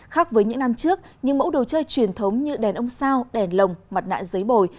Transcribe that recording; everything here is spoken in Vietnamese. khác với những năm trước những mẫu đồ chơi truyền thống như đèn ông sao đèn lồng mặt nạ giấy bồi